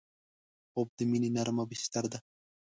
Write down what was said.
خوب د مینې نرمه بستر ده